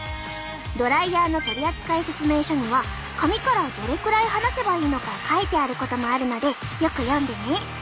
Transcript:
ドライヤーの取り扱い説明書には髪からどれくらい離せばいいのか書いてあることもあるのでよく読んでね！